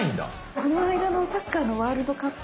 この間のサッカーのワールドカップ。